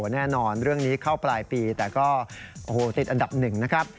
แน่นอนเรื่องนี้เข้าปลายปีแต่ก็ติดอันดับ๑นะครับ